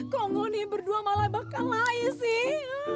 kok ngonin berdua malah bakal naik sih